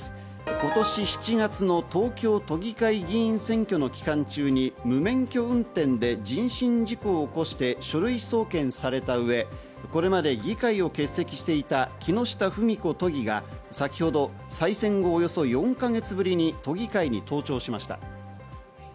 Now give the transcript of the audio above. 今年７月の東京都議会議員選挙の期間中に無免許運転で人身事故を起こして書類送検された上、これまで議会を欠席していた木下富美子都議が先ほど、再選後およそ４か月ぶりに都議会に登庁しました。